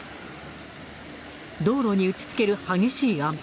道路に打ちつける激しい雨。